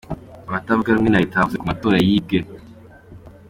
Abatavuga rumwe na leta bavuze ko amatora yibwe.